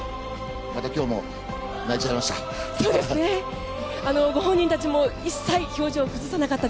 また今日も泣いちゃいました。